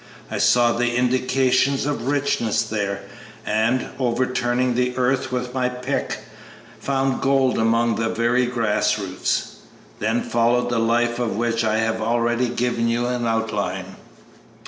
I saw the indications of richness there, and, overturning the earth with my pick, found gold among the very grassroots. Then followed the life of which I have already given you an outline.